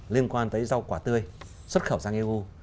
liên quan tới rau quả tươi xuất khẩu sang eu